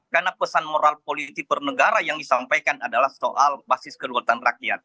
karena pesan moral politik pernegara yang disampaikan adalah soal basis kelewatan rakyat